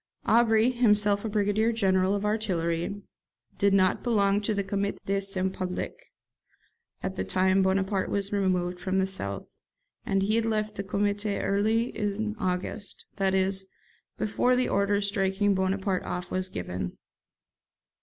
Aubry, himself a brigadier general of artillery, did not belong to the 'Comité de Salut Public' at the time Bonaparte was removed from the south; and he had left the Comité early is August, that is, before the order striking Bonaparte off was given.